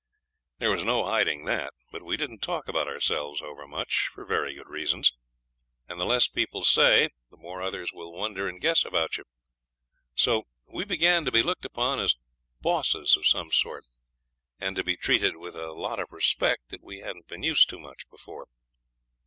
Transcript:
There was no hiding that. But we didn't talk about ourselves overmuch, for very good reasons. The less people say the more others will wonder and guess about you. So we began to be looked upon as bosses of some sort, and to be treated with a lot of respect that we hadn't been used to much before.